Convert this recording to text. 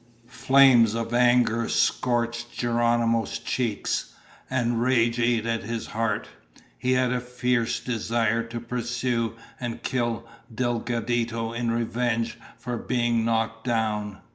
Flames of anger scorched Geronimo's cheeks, and rage ate at his heart. He had a fierce desire to pursue and kill Delgadito in revenge for being knocked down.